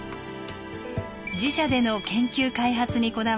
自社での研究・開発にこだわり